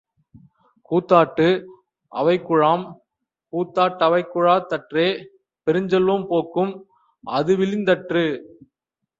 கூத்தாட்டு அவைக்குழாம் கூத்தாட் டவைக்குழாத் தற்றே பெருஞ்செல்வம் போக்கும் அதுவிளிங் தற்று.